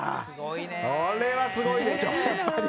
これはすごいでしょ、やっぱり。